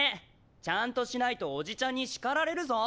ちゃんとしないとおじちゃんに叱られるぞ！